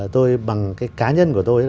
tôi bằng cái cá nhân của tôi